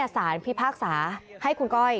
สารพิพากษาให้คุณก้อย